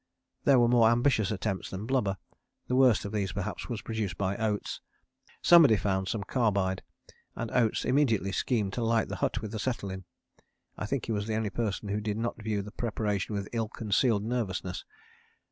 There were more ambitious attempts than blubber. The worst of these perhaps was produced by Oates. Somebody found some carbide and Oates immediately schemed to light the hut with acetylene. I think he was the only person who did not view the preparation with ill concealed nervousness.